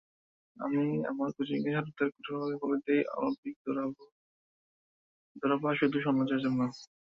আমি আমার কোচিংয়ের ছাত্রদের কঠোরভাবে বলে দিই, অলিম্পিকে দৌড়াবা শুধু স্বর্ণজয়ের জন্য।